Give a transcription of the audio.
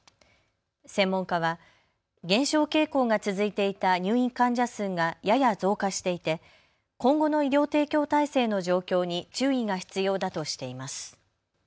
専門家は減少傾向が続いていた入院患者数がやや増加していて今後の医療提供体制の状況に注意が必要だとしています。